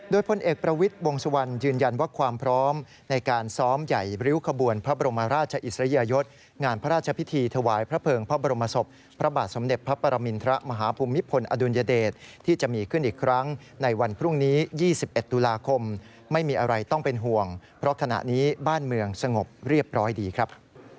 โดยพลเอกประวิทย์วงสุวรรณยืนยันว่าความพร้อมในการซ้อมใหญ่ริ้วขบวนพระบรมราชอิสริยยศงานพระราชพิธีถวายพระเภิงพระบรมศพพระบาทสมเด็จพระปรมินทรมาฮภูมิพลอดุลยเดชที่จะมีขึ้นอีกครั้งในวันพรุ่งนี้๒๑ตุลาคมไม่มีอะไรต้องเป็นห่วงเพราะขณะนี้บ้านเมืองสงบเรียบร้อยดีครับ